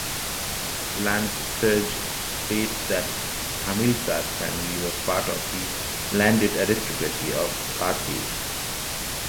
Lance Serge states that Hamilcar's family was part of the landed aristocracy of Carthage.